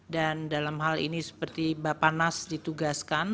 dan dalam hal ini seperti bapak nas ditugaskan